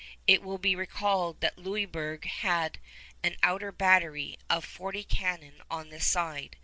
It will be recalled that Louisburg had an outer battery of forty cannon on this side.